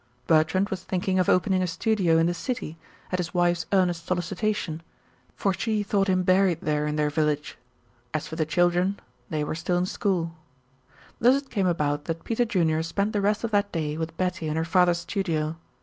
Bertrand was thinking of opening a studio in the city, at his wife's earnest solicitation, for she thought him buried there in their village. As for the children they were still in school. Thus it came about that Peter Junior spent the rest of that day with Betty in her father's studio.